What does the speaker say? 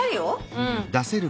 うん。